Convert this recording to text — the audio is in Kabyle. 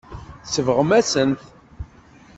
Tsebɣemt-asen-t.